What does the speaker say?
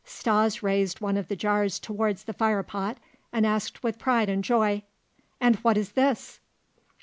Stas raised one of the jars towards the fire pot and asked with pride and joy: "And what is this?"